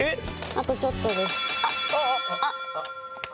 あとちょっとです。